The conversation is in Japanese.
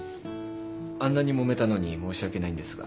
あんなにもめたのに申し訳ないんですが。